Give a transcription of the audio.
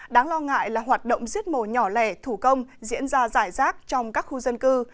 đáng lo ngại là hoạt động giết mổ nhỏ lẻ thủ công diễn ra giải rác trong các khu dân cư